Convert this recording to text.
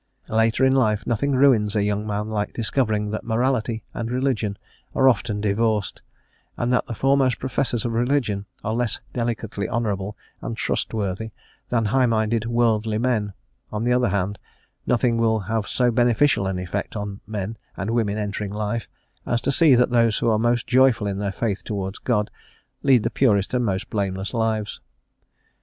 Later in life nothing ruins a young man like discovering that morality and religion are often divorced, and that the foremost professors of religion are less delicately honourable and trustworthy than high minded "worldly men;" on the other hand, nothing will have so beneficial an effect on men and women entering life, as to see that those who are most joyful in their faith towards God, lead the purest and most blameless lives.